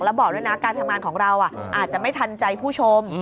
แล้วบอกด้วยนะการทำงานของเราอาจจะไม่ทันใจผู้ชม